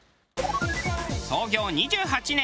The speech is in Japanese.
創業２８年。